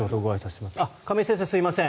亀井先生、すみません。